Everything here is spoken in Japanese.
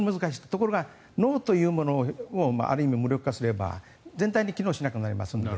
ところが脳というものを無力化すれば全体に機能しなくなりますので。